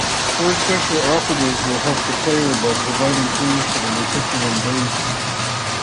Four special operatives will help the player by providing clues to the Reticulan base.